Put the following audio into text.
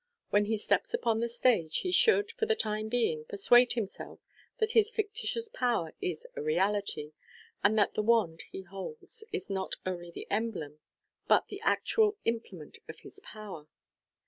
When he steps upon the stage he should, for the time being, persuade himself that his fictitious power is a reality, and that the wand he holds is not only the emblom, but the actual imple ment of his power.